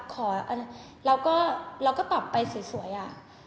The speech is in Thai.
ขอเราก็เราก็ตอบไปสวยอ่ะ